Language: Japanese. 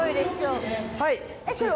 はい。